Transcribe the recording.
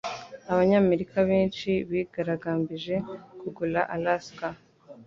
Abanyamerika benshi bigaragambije kugura Alaska.